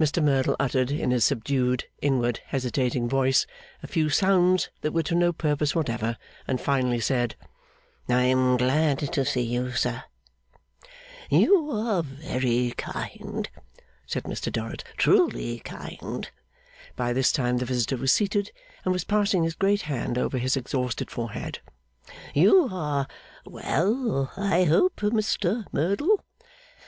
Mr Merdle uttered, in his subdued, inward, hesitating voice, a few sounds that were to no purpose whatever; and finally said, 'I am glad to see you, sir.' 'You are very kind,' said Mr Dorrit. 'Truly kind.' By this time the visitor was seated, and was passing his great hand over his exhausted forehead. 'You are well, I hope, Mr Merdle?